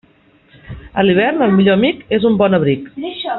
A l'hivern, el millor amic és un bon abric.